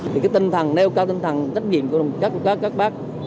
thì cái tinh thần nêu cao tinh thần trách nhiệm của các bác